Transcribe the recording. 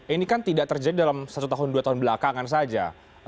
ini kan tidak terjadi dalam satu tahun dua tahun belakangan saja